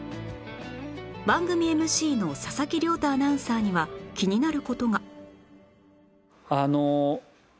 番組 ＭＣ の佐々木亮太アナウンサーには気になる事が